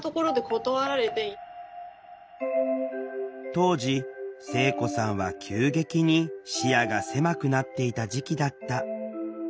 当時聖子さんは急激に視野が狭くなっていた時期だった。